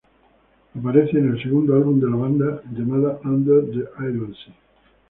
Aparece en el segundo álbum de la banda llamado Under the Iron Sea.